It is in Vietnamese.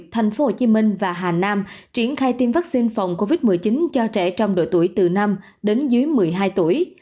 thành phố hồ chí minh và hà nam triển khai tiêm vaccine phòng covid một mươi chín cho trẻ trong độ tuổi từ năm đến dưới một mươi hai tuổi